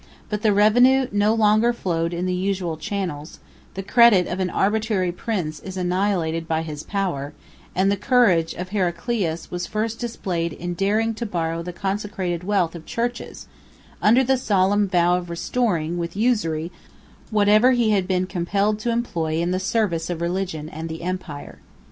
But the revenue no longer flowed in the usual channels; the credit of an arbitrary prince is annihilated by his power; and the courage of Heraclius was first displayed in daring to borrow the consecrated wealth of churches, under the solemn vow of restoring, with usury, whatever he had been compelled to employ in the service of religion and the empire.